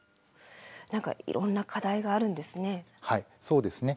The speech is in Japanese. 何かいろんな課題があるんですね。